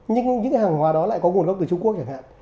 nhưng những hàng hóa đó lại có nguồn gốc từ trung quốc chẳng hạn